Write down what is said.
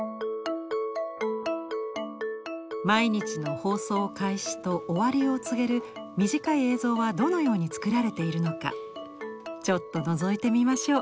毎日の放送開始と終わりを告げる短い映像はどのように作られているのかちょっとのぞいてみましょう。